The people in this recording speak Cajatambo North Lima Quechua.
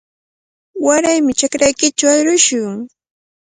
Warami chakraykichaw arushun.